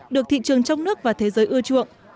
được thị trường trong nước và thế giới ưa chuộng